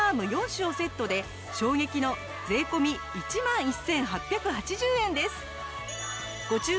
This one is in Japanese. ４種をセットで衝撃の税込１万１８８０円です。